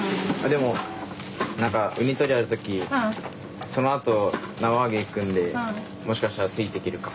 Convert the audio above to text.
でも何かウニ取りある時そのあと縄上げ行くんでもしかしたらついていけるかも。